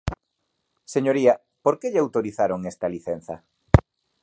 Señoría, ¿por que lle autorizaron esta licenza?